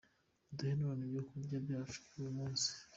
Uduhe none ibyokurya byacu by’uyu munsi